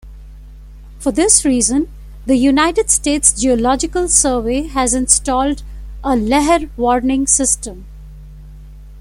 For this reason, the United States Geological Survey has installed a lahar warning system.